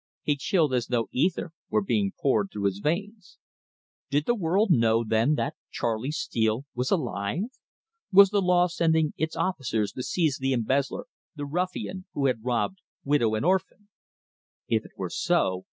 He chilled, as though ether were being poured through his veins. Did the world know, then, that Charley Steele was alive? Was the law sending its officers to seize the embezzler, the ruffian who had robbed widow and orphan? If it were so....